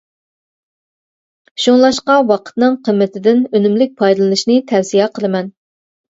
شۇڭلاشقا ۋاقىتنىڭ قىممىتىدىن ئۈنۈملۈك پايدىلىنىشنى تەۋسىيە قىلىمەن.